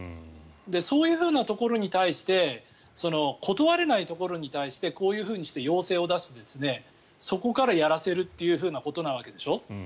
そういうところに対して断れないところに対してこういうふうにして要請を出してそこからやらせるわけでしょう。